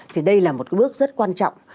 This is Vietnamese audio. thì đây là một cái bước rất quan trọng